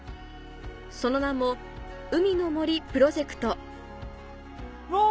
その名も「海の森プロジェクト」わ！